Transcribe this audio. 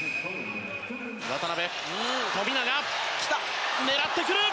渡邊、富永狙ってくる！